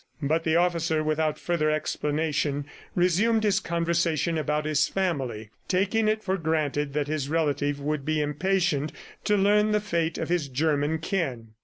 ... But the officer, without further explanation, resumed his conversation about his family, taking it for granted that his relative would be impatient to learn the fate of his German kin.